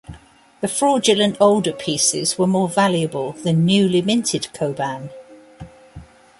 The fraudulent older pieces were more valuable than newly minted koban.